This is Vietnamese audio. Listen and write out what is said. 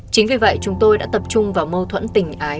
chính vì vậy chúng tôi đã tập trung vào mâu thuẫn tình ái